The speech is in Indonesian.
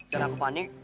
dan aku panik